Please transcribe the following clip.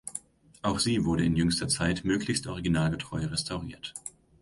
Auch sie wurde in jüngster Zeit möglichst originalgetreu restauriert.